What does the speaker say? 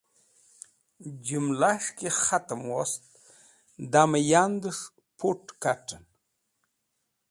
Jũmlash ki khatẽm wost damẽ yandẽs̃h put̃ din/ kat̃ẽn.